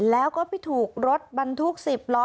แล้วก็ไปถูกรถบรรทุก๑๐ล้อ